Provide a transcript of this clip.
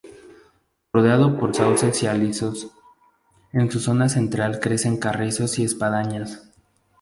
Rodeado por sauces y alisos, en su zona central crecen carrizos y espadañas.